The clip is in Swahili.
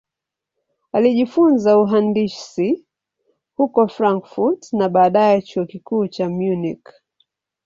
Alijifunza uhandisi huko Frankfurt na baadaye Chuo Kikuu cha Munich.